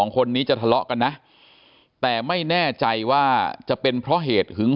คนนี้จะทะเลาะกันนะแต่ไม่แน่ใจว่าจะเป็นเพราะเหตุหึง